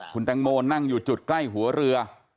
คุณแตงโมนั่งอยู่จุดใกล้หัวเรือ